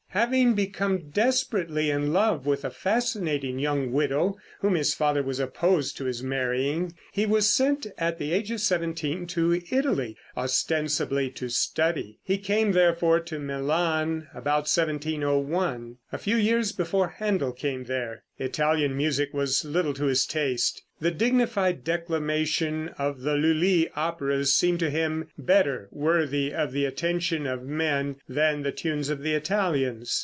Having become desperately in love with a fascinating young widow, whom his father was opposed to his marrying, he was sent at the age of seventeen to Italy, ostensibly to study. He came, therefore, to Milan about 1701, a few years before Händel came there. Italian music was little to his taste. The dignified declamation of the Lulli operas seemed to him better worthy the attention of men than the tunes of the Italians.